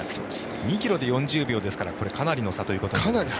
２ｋｍで４０秒ですからかなりの差になります。